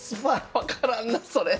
分からんなそれ！